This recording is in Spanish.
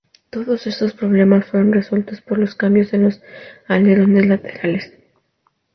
Todos estos problemas fueron resueltos por los cambios en los alerones laterales.